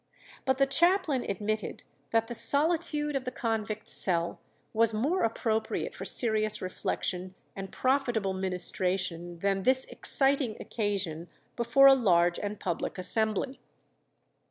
But the chaplain admitted that the solitude of the convict's cell was more appropriate for serious reflection and profitable ministration than "this exciting occasion before a large and public assembly."